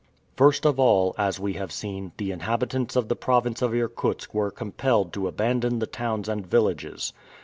First of all, as we have seen, the inhabitants of the province of Irkutsk were compelled to abandon the towns and villages.